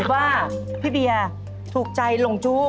ว่าพี่เบียร์ถูกใจหลงจู้